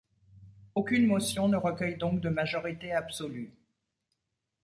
Aucune motion ne recueille donc de majorité absolue.